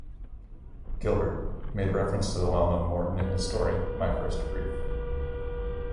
Gilbert, made reference to the well-known Morton in his story, "My First Brief".